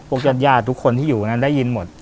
พวกยาดยาดทุกคนที่อยู่นั้นได้ยินหมด